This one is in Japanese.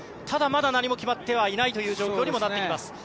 ただ、まだ何も決まってはいないという状況にもなってきます。